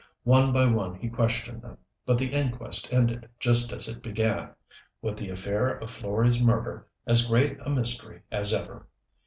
One by one he questioned them, but the inquest ended just as it began with the affair of Florey's murder as great a mystery as ever.